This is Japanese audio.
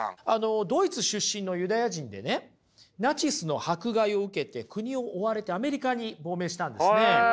ドイツ出身のユダヤ人でねナチスの迫害を受けて国を追われてアメリカに亡命したんですね。